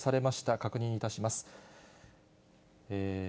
確認いたします。